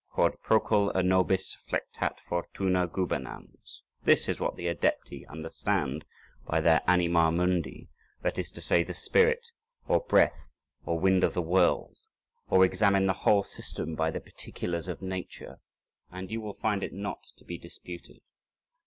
"Quod procul à nobis flectat Fortuna gubernans." This is what the Adepti understand by their anima mundi, that is to say, the spirit, or breath, or wind of the world; or examine the whole system by the particulars of Nature, and you will find it not to be disputed.